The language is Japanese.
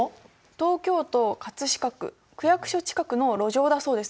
東京都飾区区役所近くの路上だそうです。